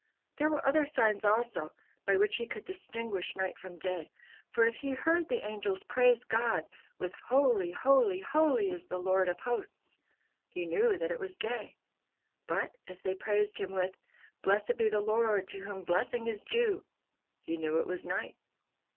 There were other signs also by which he could distinguish night from day; for if he heard the angels praise God with "Holy, holy, holy, is the Lord of hosts," he knew that it was day; but if they praised Him with "Blessed be the Lord to whom blessing is due," he knew it was night.